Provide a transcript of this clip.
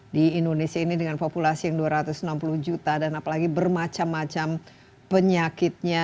di indonesia ini dengan populasi yang dua ratus enam puluh juta dan apalagi bermacam macam penyakitnya